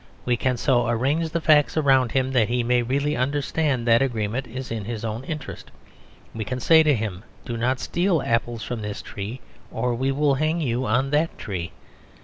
We can so arrange the facts around him that he may really understand that agreement is in his own interests. We can say to him, "Do not steal apples from this tree, or we will hang you on that tree."